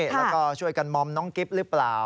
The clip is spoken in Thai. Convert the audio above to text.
แล้วก็ช่วยกันมอมน้องกิ๊บหรือเปล่า